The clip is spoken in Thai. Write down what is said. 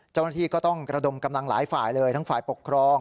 เจ้าหน้าที่ก็ต้องระดมกำลังหลายฝ่ายเลยทั้งฝ่ายปกครอง